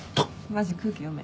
マジ空気読め。